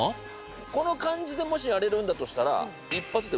この感じでもしやれるんだとしたら。